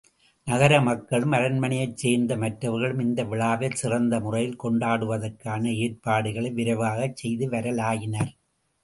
நகர மக்களும் அரண்மனையைச் சேர்ந்த மற்றவர்களும் இந்த விழாவைச் சிறந்த முறையில் கொண்டாடுவதற்கான ஏற்பாடுகளை விரைவாகச் செய்து வரலாயினர்.